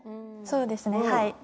そうですねはい。